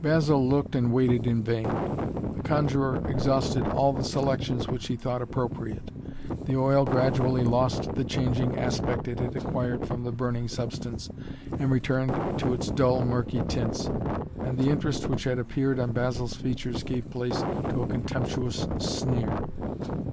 Basil looked and waited in vain. The conjurer exhausted all the selections which he thought appropriate. The oil gradually lost the changing aspect it had acquired from the burning substance, and returned to its dull murky tints, and the interest which had appeared on Basil's features gave place to a contemptuous sneer.